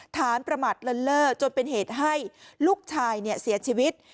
ฐานประหมัดเล่นจนเป็นเหตุให้ลูกชายเสียชีวิต